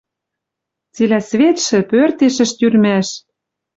Цилӓ светшӹ пӧртешӹш тюрьмаш».